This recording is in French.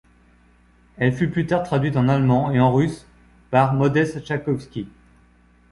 Elle fut plus tard traduite en allemand, et en russe par Modeste Tchaïkovski.